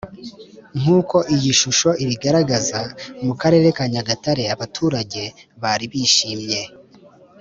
Nk uko iyi shusho ibibagaraza mu karere ka Nyagatare abaturage bari bishimye